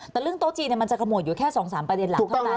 แต่เรื่องโต๊ะจีนมันจะขมวดอยู่แค่๒๓ประเด็นหลักเท่านั้น